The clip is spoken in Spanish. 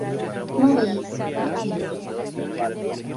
Maurice Couture.